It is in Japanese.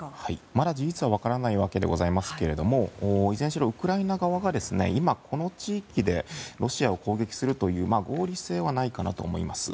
まだ事実は分かりませんがいずれにしろウクライナ側がこの地域でロシアを攻撃するという合理性はないかなと思います。